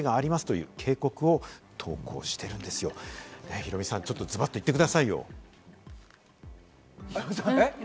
ヒロミさん、ちょっとズバッと言ってくださいよ。